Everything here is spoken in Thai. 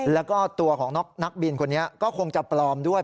แล้วก็ตัวของนักบินคนนี้ก็คงจะปลอมด้วย